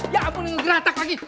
ya ampun ngegeratak lagi